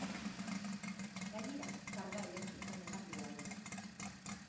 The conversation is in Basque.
Gainera karga elektriko negatiboa du.